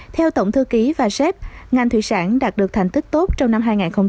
theo tổng thư ký và sep ngành thủy sản đạt được thành tích tốt trong năm hai nghìn một mươi bảy